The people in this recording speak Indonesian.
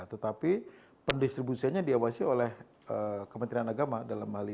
tetapi pendistribusiannya diawasi oleh kementerian agama dalam hal ini